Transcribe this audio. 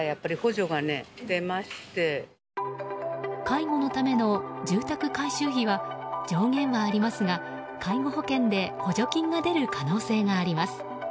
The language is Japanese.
介護のための住宅改修費は上限はありますが介護保険で補助金が出る可能性があります。